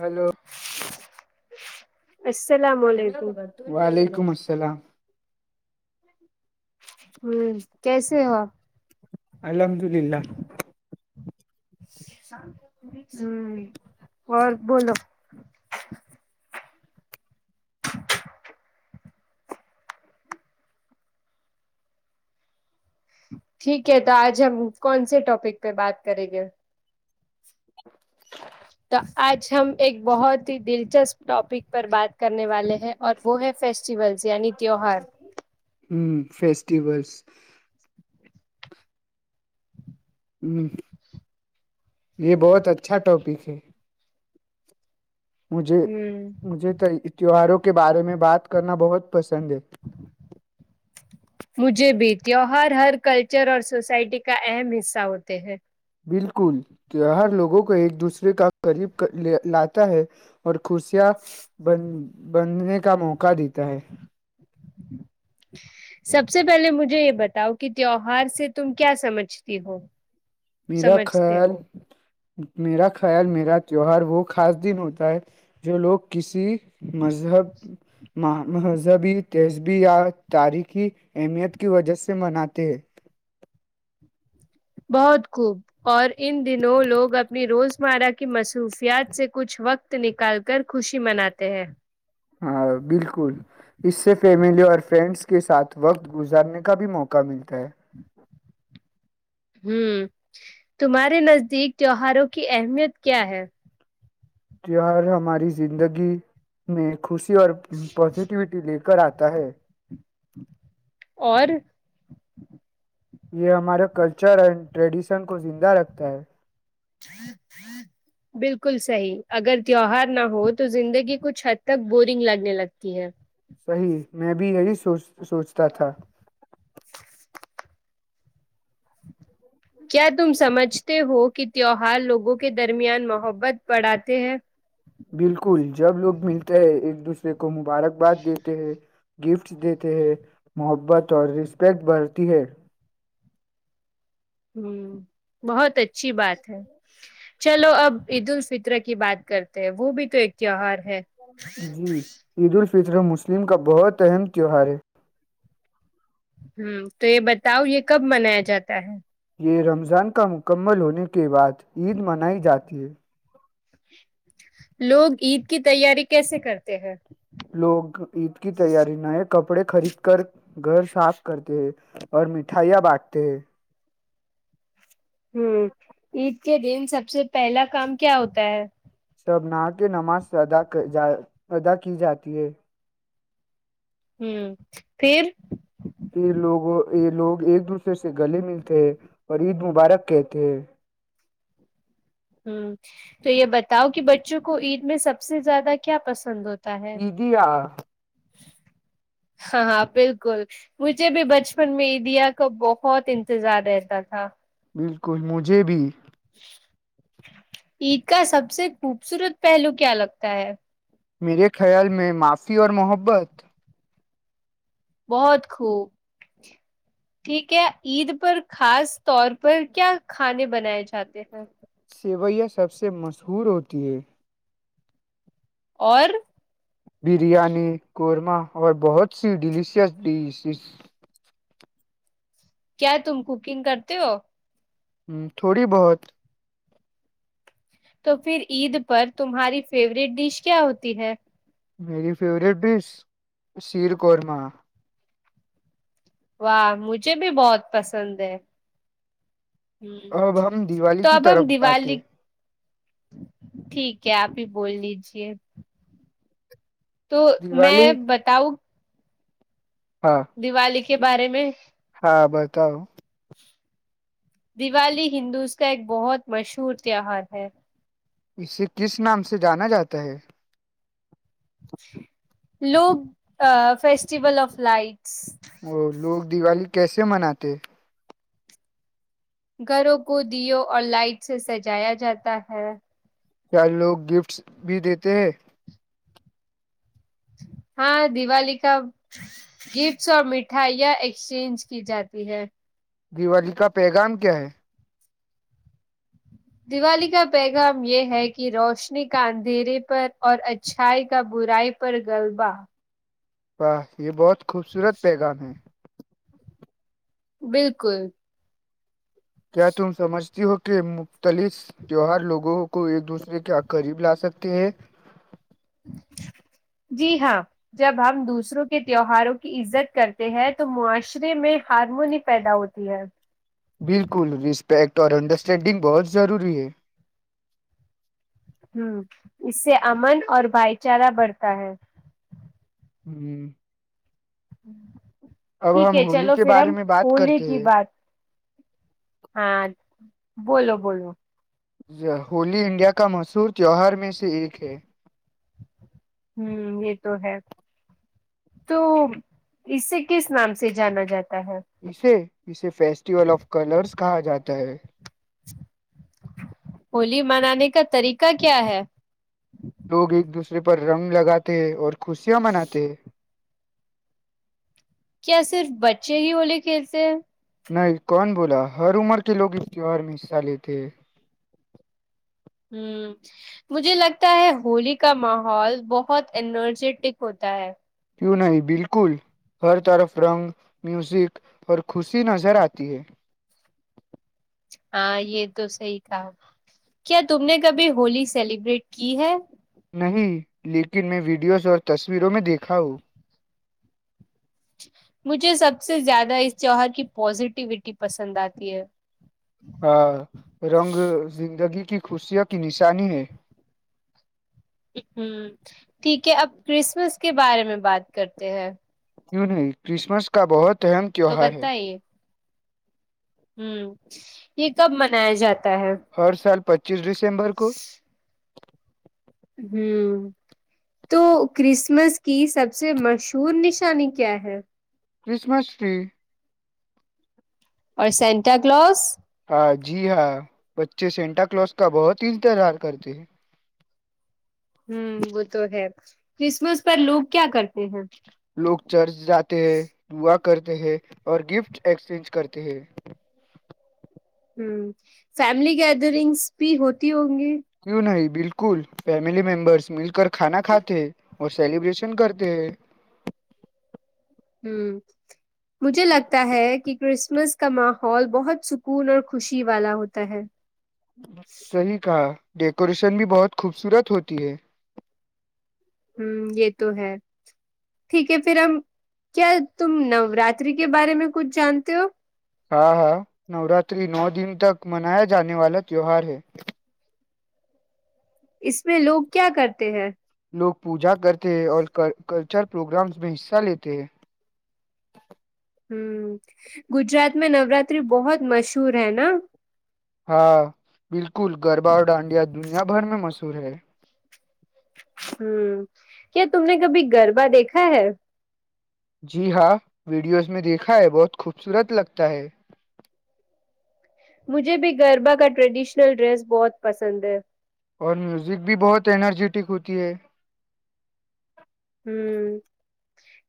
hello السلام علیکم وعلیکم السل [unintelligible] اسلام ہوں کیسے ہو الحمد للہ ہ اور بولو ٹھیک ہے تو آج ہم کون سے ٹاپک پہ بات کریں گے [inaudible] تو آج ہم ایک بہت ہی دلچسپ ٹاپک پر بات کرنے والے ہیں اور وہ ہے فیسٹیولس یعنی تیوہار [unintelligible] ہوں فیسٹیولس [unintelligible] ہ یہ بہت اچھا ٹاپک ہے [unintelligible] مجھے ہوں مجھے تو تیوہاروں [unintelligible] کے بارے میں بات کرنا بہت [unintelligible] پسند ہے [unintelligible] مجھے بھیتیو ہر ہر کلچر اور سوسائٹی کا اہم حصہ ہوتے ہیں بالکل تیوہار لوگوں کو ایک دوسرے کا قریب لاتا ہے اور [unintelligible] کسیا بند [unintelligible] بندھنے کا موقع دیتا ہے سب سے پہلے مجھے یہ بتاؤ کہ تیوہار سے تم کیا سمجھتی ہو میرا سمجھتے خیال ہو میرا خیال میرا تیوہار وہ خاص دن ہوتا ہے جو لوگ کسی مذہب مہذہبی تہذبی یا تاریخی اہمیت کی وجہ سے مناتے ہیں [unintelligible] بہت خوب اور ان دنوں لوگ اپنی روزمرہ کی مصروفیات سے کچھ وقت نکال کر خوشی مناتے ہیں ہاں بالکل اس سے فیملی اور فرینڈس کے ساتھ وقت گزارنے کا بھی موقع ملتا ہے ہوں تمہارے نزدیک تہوہاروں کی اہمیت کیا ہے تیوار ہماری زندگی میں خوشی اور پازیٹیوٹی لے کر آتا ہے [unintelligible] اور [unintelligible] یہ ہمارے کلچر اینڈ ٹریڈیشن کو زندہ رکھتا ہے بالکل صحی اگر تیوار نہ ہو تو زندگی کچھ حد تک بورنگ لگنے لگتی ہے [unintelligible] صی میں بھی یہی سوچ سوچتا تھا [unintelligible] کیا تم سمجھتے ہو کہ تہوہار لوگوں کے درمیان محبت بڑھاتے ہیں بالکل جب لوگ ملتے ہیں ایک دوسرے دورے کو مبارکباد دیتے ہیں گفٹ دیتے ہیں محبت اور رسپیکٹ بڑھتی ہے [unintelligible] ہ بہت اچھی بات ہے چلو اب عید الفطر کی بات کرتے ہیں وہ بھی تو ایک تیوہار [unintelligible] جی عید ال [unintelligible] فترح مسلم کا بہت اہم تیوہار ہے [unintelligible] ہ تو یہ بتاؤ یہ کب منایا جاتا ہے یہ رمضان کا مکمل ہونے کے بعد عید منائی جاتی ہے [unintelligible] لوگ عید کی تیاری کیسے کرتے ہیں لوگ عید کی تیاری نہ ہے کپڑے خرید کر گھر صاف کرتے ہیں اور مٹھائیاں بانٹتے ہیں ہوں عید کے دن سب سے پہلا کام کیا ہوتا ہے تبنا کی نماز ادا جا ادا کی جاتی ہے [unintelligible] ہوں پھر [unintelligible] پھر لوگوں یہ لوگ ایک دوسرے سے گلے ملتے ہیں اور عید مبارک کہتے ہیں ہ تو یہ بتاؤ کہ بچوں کو عید میں سب سے زیادہ کیا پسند ہوتا ہے ایا ہاں ہاں بالکل مجھے بھی بچپن میں عیدیا کا بہت انتظار رہتا تھا بالکل مجھے بھی [unintelligible] عید کا سب سے خوبصورت پہلو کیا لگتا ہے میرے خیال میں معافی اور محبت بہت خوب ٹھیک ہے عید پر خاص طور پر کیا کھانے بنائے جاتے ہیں سیویا سب سے مشہور ہوتی ہے اور بریانی قورمہ اور بہت سی ڈیلیشس ڈز کیا تم کوکنگ کرتے ہو ہ تھوڑی بہت تو پھر عید پر تمہاری فیوریٹ ڈش کیا ہوتی ہے میری فیوریٹ ڈش شیر قورما واہ مجھے بھی بہت پسند ہے ہ اب ہم دیوالی تو کی اب ہم طرف آتے دیوالی ٹھیک ہے آپ ہی بول لیجیے [unintelligible] تو میں دیوالی بتاؤں [unintelligible] ہاں دیوالی کے کے بارے میں [unintelligible] ہاں بتاؤ [unintelligible] دیوالی ہندوز کا ایک بہت مشہور تیوار ہے اسے کس نام سے جانا جاتا ہے لوگ فسٹیول آف لائٹس ا لوگ دیوالی کیسے مناتے گھروں کو دیو اور لائٹ سے سجایا جاتا ہے کیا لوگ گفٹس بھی دیتے ہیں ہاں دیوالی کا گفٹس اور مٹھائیاں ایکسچینج کی جاتی ہے دیوالی کا پیغام کیا ہے دیوالی کا پیغام یہ ہے کہ روشنی کا اندھیرے پر اور اچھائی کا برائی پر غلبہ ہ یہ بہت خوبصورت پیغام ہے بالکل کیا تم سمجھ کہ مختلف تیوہار لوگوں کو ایک دوسرے کے قریب لا سکتے ہیں جی ہاں جب ہم دوسروں کے تہوہاروں کی عزت کرتے ہیں تو معاشرے میں ہارمونی پیدا ہوتی ہے بالکل رسپیکٹ اور انڈرسٹینڈنگ بہت ضروری ہے ہوں اس سے امن اور بھائی چارہ بڑھتا ہے ہوں ہوں ٹھیک ہے ہولی چلو کے پھر بارے ہم میں بات ہول کرتے کی ہیں بات ہاں بولو بولو ہولی انڈیا کا مشہور تہوہار میں سے ایک ہے ہ یہ تو ہے تو اسے کس نام سے جانا جاتا ہے جھ و فیسٹیول آف کلرس کہا جاتا ہے ہولی منانے کا طریقہ کیا ہے لوگ ایک دوسرے پر رنگ لگاتے ہیں اور خوشیاں مناتے ہیں کیا صرف بچے ہی ہولی کھیلتے ہیں نہیں کون بولا ہر عمر کے لوگ اس تیوار میں حصہ لیتے ہ مجھے لگتا ہے ہولی کا ماحول بہت انرجیٹک ہوتا ہے کیوں نہیں بالکل ہر طرف رنگ میوزک اور خوشی نظر آتی ہے ہاں یہ تو صحی کہا کیا تم نے کبھی ہولی سیلیبریٹ کی ہے نہیں لیکن میں ویڈیوز اور تصویروں میں دیکھا ہوں مجھے سب سے زیادہ اس جووہر کی پازیٹیوٹی پسند آتی ہے ہاں رنگ زندگی کی خوشوں کی نشانی ہے ہ ٹھیک ہے اب کرسمس کے بارے میں بات کرتے ہیں کیوں نہیں کرسمس کا بہت اہم تو تہوہار ہے بتائیے ہوں یہ کب منایا جاتا ہے ہر سال پچ پچیس دسمبر کو ہوں تو کرسمس کی سب سے مشہور نشانی کیا ہے کرسمس ٹری اور سینٹ کلز ہاں جی ہاں بچے سینٹا کلوز کا بہت ہی انتظار کرتے ہیں ہ وہ تو ہے کرسمس پر لوگ کیا کرتے ہیں لوگ چرچ جاتے ہیں دعا کرتے ہیں اور گفٹ ایکسچینج کرتے ہیں ہوں فیملی گیدرنگس بھی ہوتی ہوگی کی نہیں [unintelligible] بالکل فیملی ممبرس مل کر کھانا کھاتے ہیں اور سیلیبریشن کرتے ہیں ہ مجھے لگتا ہے کہ کرسمس کا ماحول بہت سکون اور خوشی والا ہوتا ہے صیح کہا ڈیکوریشن بھی بہت خوبصورت ہوتی ہے ہ یہ تو ہے ٹھیک ہے پھر ہم کیا تم نوراتری کے بارے میں کچھ جانتے ہو ہاں ہاں نوراتری نو دن تک منایا جانے والا تیوہار ہے اس میں لوگ کیا کرتے ہیں لوگ پوجا کرتے ہیں اور کلچر پروگرامس میں حصہ لیتے ہیں ہوں گجرات میں نوراتری بہت مشہور سور ہے نا ہاں بالکل گربا اور ڈانڈیا دنیا بھر میں مس س ہے ہوں کیا تم نے کبھی گربہ دیکھا ہے جی ہاں ویڈیوز میں دیکھا ہے بہت خوبصورت لگتا ہے مجھے بھی گربا کا ٹریڈیشنل ڈریس بہت پسند ہے اور میوزک بھی بہت انرجیٹک ہوتی ہے ہ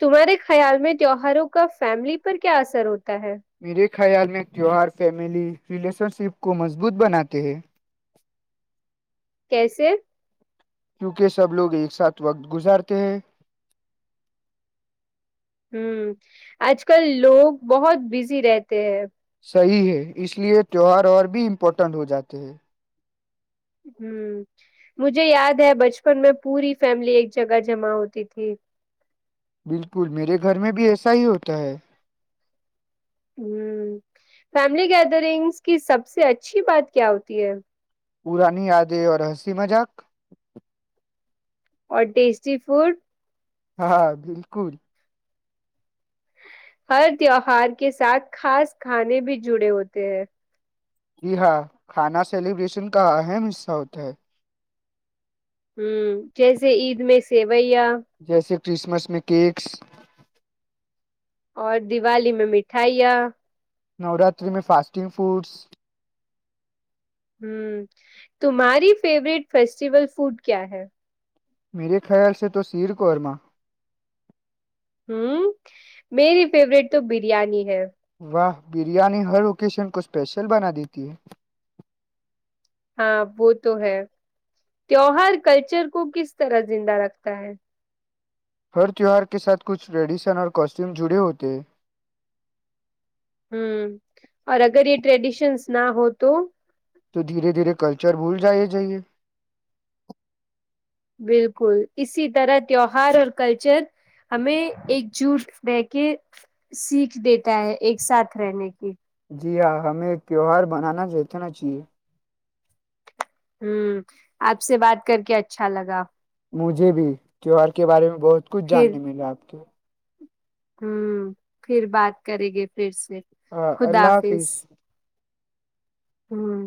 تمہارے خیال میں تیوہاروں کا فیملی پر کیا اثر ہوتا تا ہے [unintelligible] میرے خیال میں تیوار فیملی ریلیشن شپ کو مضبوط بناتے ہیں کیسے کیونکہ سب لوگ ایک ساتھ وقت گزارتے ہیں ہوں آج کل لوگ بہت بزی رہتے ہیں صحیح ہے اس لیے تیوہار اور بھی امپورٹنٹ ہو جاتے ہیں ہ مجھے یاد ہے بچپن میں پوری فیملی ایک جگہ جمع ہوتی تھی بالکل میرے گھر میں بھی ایسا ہی ہوتا ہے ہ فیملی گیدرنگس کی سب سے اچھی بات کیا ہوتی ہے پرانی یادیں اور ہنسی مذاق اور ٹیسٹی فوڈ ہاں بالکل ہر تہوہار کے ساتھ خاص کھانے بھی جڑے ہوتے ہیں جی ہاں کھانا سیلیبریشن کا اہم حصہ ہوتا ہے ہوں جیسے عید میں سے بھیا جیسے کرسمس میں کیکس اور دیوالی میں مٹھائیاں نوراتری میں فاسٹنگ فوڈس ہ تمہاری فیوروریٹ فیسٹیول فوڈ کیا ہے میرے خیال سے تو سیر قورما ہوں میری فیوریٹ تو بریانی ہے واہ بریانی ہر اوکیشن کو اسپیشل بنا دیتی ہے ہاں وہ تو ہے تیوار کلچر کو کس طرح زندہ رکھتا ہے ہر تیوہار کے ساتھ کچھ ٹریڈیشن اور کاسٹیوم جڑے ہوتے ہ اور اگر یہ ٹریڈیشنس نہ ہو تو تو دھیرے دھیر کلچر بھول جائے جائیے بالکل اسی طرح تیوہار اور کلچر ہمیں ایک جٹ رہ کے سیکھ دیتا ہے ایک ساتھ رہنے کی جی ہاں ہمیں کیو آر بنانا جتنا چاہیے ہوں آپ سے بات کر کے اچھا لگا مجھے بھی تیوہر کے بارے میں بہت کچھ پھر جاننے ملاے آپ کے ہوں پھر بات کریں گی پھر ہاں اللہ حافظ ہوں